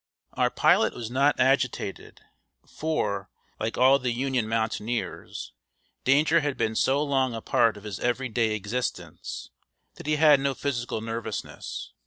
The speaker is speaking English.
Our pilot was not agitated, for, like all the Union mountaineers, danger had been so long a part of his every day existence, that he had no physical nervousness.